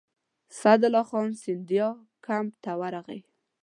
سعدالله خان سیندیا کمپ ته ورغی.